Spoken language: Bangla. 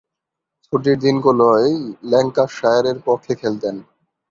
ছুটির দিনগুলোয় ল্যাঙ্কাশায়ারের পক্ষে খেলতেন।